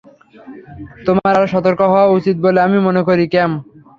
তোমার আরও সতর্ক হওয়া উচিত বলে আমি মনে করি, ক্যাম।